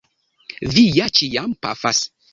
Vi ja ĉiam pafas?